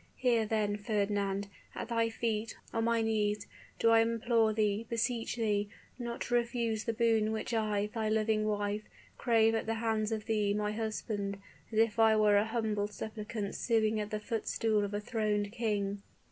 Here, then, Fernand, at thy feet, on my knees, do I implore thee, beseech thee, not to refuse the boon which I, thy loving wife, crave at the hands of thee, my husband, as if I were a humble suppliant suing at the footstool of a throned king!"